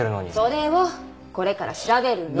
それをこれから調べるの。